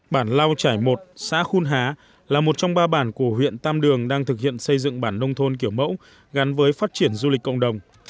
bản lao trải một xã khun há là một trong ba bản của huyện tam đường đang thực hiện xây dựng bản nông thôn kiểu mẫu gắn với phát triển du lịch cộng đồng